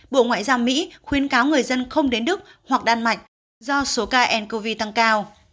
bộ ngoại giao mỹ khuyến cáo người dân không đến đức hoặc đan mạch do số ca ncov tăng cao